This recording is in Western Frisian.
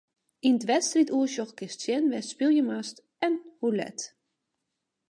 Yn it wedstriidoersjoch kinst sjen wêr'tst spylje moatst en hoe let.